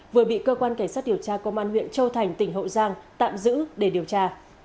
vừa bị cơ quan cảnh sát điều tra công an huyện châu thành tỉnh hậu giang tạm giữ để điều tra